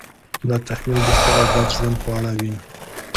دا تحمیل د ښه او بد ژوند په اړه وي.